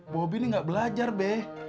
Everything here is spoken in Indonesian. bobby ini gak belajar be